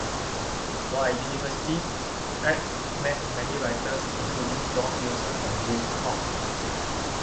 While at University, Aird met many writers, including John Wilson and James Hogg.